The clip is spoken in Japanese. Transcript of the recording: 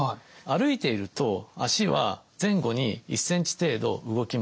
歩いていると足は前後に１センチ程度動きます。